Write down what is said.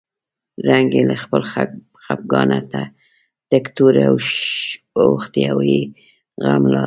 رنګ یې له خپګانه تک تور اوښتی و او یې غم لاره.